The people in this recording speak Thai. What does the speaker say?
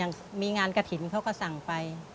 อย่างมีงานกระถิ่นเขาก็สั่งไป